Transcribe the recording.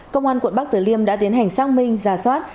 công an quận bắc tử liêm đã tiến hành sang minh ra soát